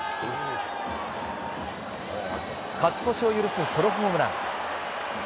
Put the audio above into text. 勝ち越しを許すソロホームラン。